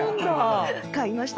買いました。